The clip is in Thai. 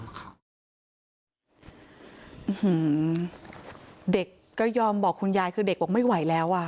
เด็กก็ยอมบอกคุณยายคือเด็กบอกไม่ไหวแล้วอ่ะ